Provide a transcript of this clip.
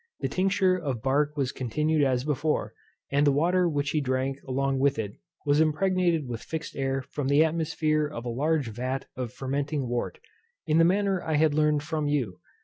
The tincture of bark was continued as before; and the water which he drank along with it, was impregnated with fixed air from the atmosphere of a large vat of fermenting wort, in the manner I had learned from you.